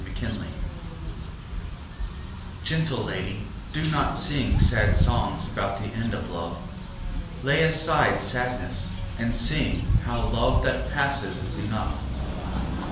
XXVIII Gentle lady, do not sing Sad songs about the end of love; Lay aside sadness and sing How love that passes is enough.